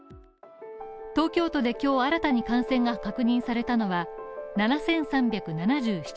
東京都で今日新たに感染が確認されたのは７３７７人